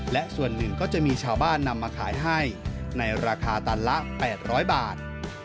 และส่วนหนึ่งก็จะมีชาวบ้านนำมาขายให้ในราคาตันละ๘๐๐บาท